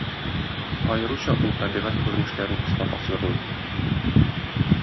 Аеруча ул табигать күренешләрен оста тасвирлый.